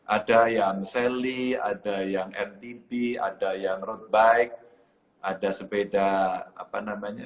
ada yang selly ada yang mtb ada yang road bike ada sepeda apa namanya